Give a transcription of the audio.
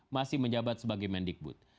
di menjabat sebagai mendikbud